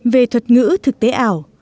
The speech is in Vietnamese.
về thuật ngữ thực tế ảo